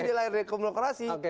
di layar demokrasi